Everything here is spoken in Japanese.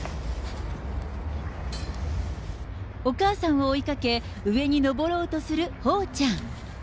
お母さんを追いかけ、上に登ろうとするホウちゃん。